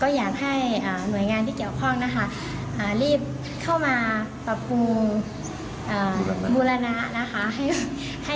อยากให้หน่วยงานที่เกี่ยวข้องนะคะรีบเข้ามาปรับปรุงบูรณะนะคะ